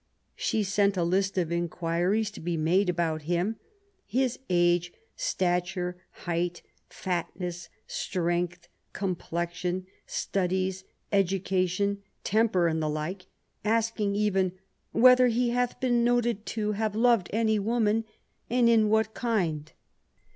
She sent a list of inquiries to be made about him — his age, stature, height, fatness, strength, complexion, studies, education, temper and the like — asking even Whether he had been noted to have loved any woman, and in what kind